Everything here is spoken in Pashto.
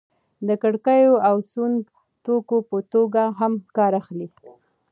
د کړکیو او سونګ توکو په توګه هم کار اخلي.